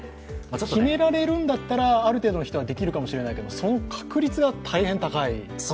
決められるんだったらある程度の人はできるかもしれないけどその確率が大変高い。